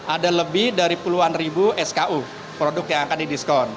ada lebih dari puluhan ribu sku produk yang akan didiskon